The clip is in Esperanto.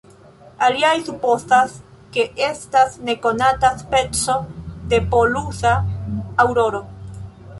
Aliaj supozas, ke estas nekonata speco de polusa aŭroro.